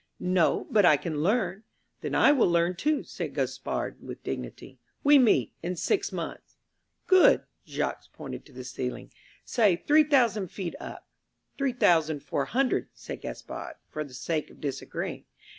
"No; but I can learn." "Then I will learn too," said Gaspard with dignity. "We meet in six months?" "Good." Jacques pointed to the ceiling. "Say three thousand feet up." "Three thousand four hundred," said Gaspard for the sake of disagreeing.